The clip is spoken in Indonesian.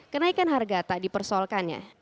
kenaikan harga tak dipersoalkannya